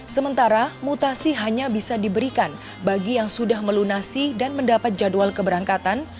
sementara mutasi hanya bisa diberikan bagi yang sudah melunasi dan mendapat jadwal keberangkatan